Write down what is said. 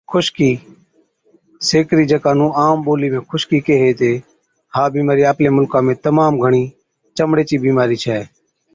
خُشڪِي Dandruff، سيڪرِي جڪا نُون عام ٻولِي ۾ خُشڪِي ڪيهي هِتي، ها بِيمارِي آپلي مُلڪا ۾ تمام گھڻِي چمڙي چِي بِيمارِي ڇَي۔